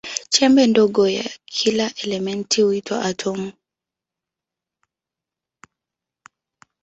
Chembe ndogo ya kila elementi huitwa atomu.